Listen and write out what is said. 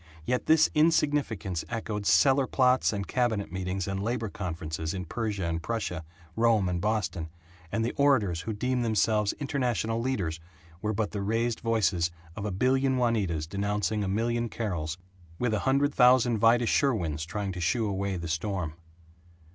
Yet this insignificance echoed cellar plots and cabinet meetings and labor conferences in Persia and Prussia, Rome and Boston, and the orators who deemed themselves international leaders were but the raised voices of a billion Juanitas denouncing a million Carols, with a hundred thousand Vida Sherwins trying to shoo away the storm.